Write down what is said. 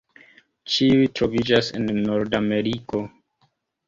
Ĉiuj troviĝas en Nordameriko.